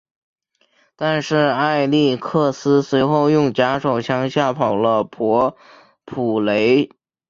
但是艾力克斯随后用假手枪吓跑了伯普雷。